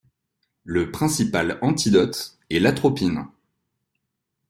Le principal antidote est l'atropine.